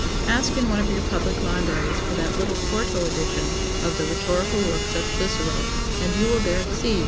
Ask in one of your public libraries for that little quarto edition of the 'Rhetorical Works of Cicero' ... and you will there see